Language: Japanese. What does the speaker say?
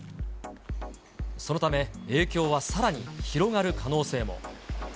そのため、影響はさらに広がる可能性も。